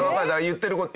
言ってる事。